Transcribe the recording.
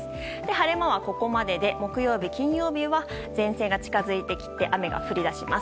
晴れ間はここまでで木曜日、金曜日は前線が近づいてきて雨が降り出します。